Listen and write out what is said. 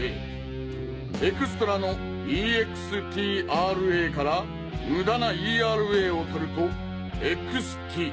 エクストラのＥＸＴＲＡから「無駄」なＥＲＡを取るとＸＴ！